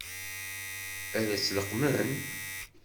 Ad tt-leqqmen?